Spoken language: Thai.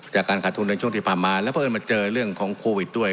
จากการขาดทุนในช่วงที่ผ่านมาแล้วเพราะเอิญมาเจอเรื่องของโควิดด้วย